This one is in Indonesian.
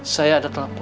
saya ada telepon